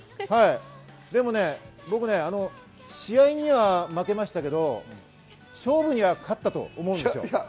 でも僕、試合には負けましたけど、勝負には勝ったと思うんです。